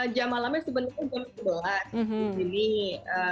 jam malamnya sebenarnya jam ke dua belas di sini